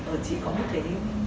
ở chị có một cái